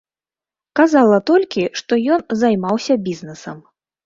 Казала толькі, што ён займаўся бізнэсам.